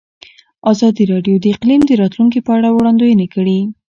ازادي راډیو د اقلیم د راتلونکې په اړه وړاندوینې کړې.